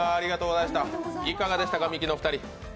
いかがでしたか、ミキの２人。